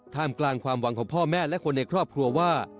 กลางความหวังของพ่อแม่และคนในครอบครัวว่า